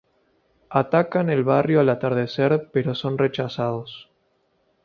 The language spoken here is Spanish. Atacan el barrio al atardecer pero son rechazados.